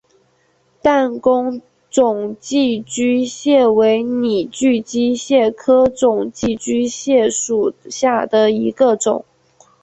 弹弓肿寄居蟹为拟寄居蟹科肿寄居蟹属下的一个种。